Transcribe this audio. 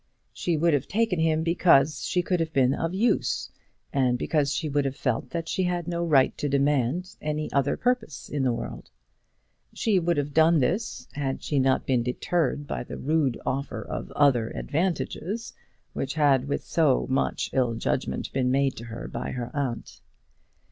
She would have taken him because she could have been of use, and because she would have felt that she had no right to demand any other purpose in the world. She would have done this, had she not been deterred by the rude offer of other advantages which had with so much ill judgment been made to her by her aunt.